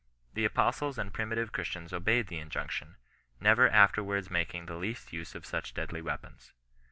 The apostles and primitive Christians obeyed the injunction, never afterwards mak ing the least use of such deadly weapons.